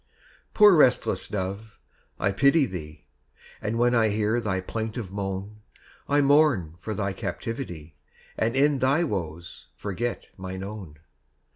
Poor restless dove, I pity thee; And when I hear thy plaintive moan, I mourn for thy captivity, And in thy woes forget mine own.